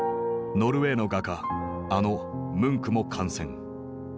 ノルウェーの画家あのムンクも感染。